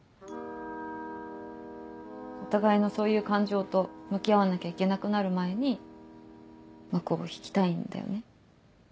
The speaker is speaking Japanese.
お互いのそういう感情と向き合わなきゃいけなくなる前に幕を引きたいんだよね。